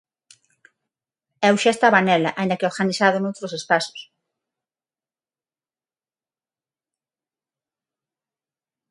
Eu xa estaba nela, aínda que organizado noutros espazos.